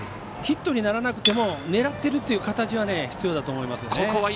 ヒットにならなくても狙ってるという形は必要だと思いますよね。